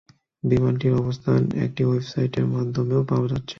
বিমানটির অবস্থান একটি ওয়েবসাইটের মাধ্যমেও পাওয়া যাচ্ছে।